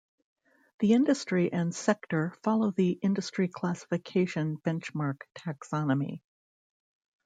The industry and sector follow the Industry Classification Benchmark taxonomy.